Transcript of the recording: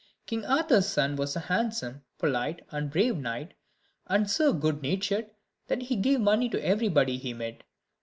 King Arthur's son was a handsome, polite, and brave knight, and so good natured, that he gave money to everybody he met.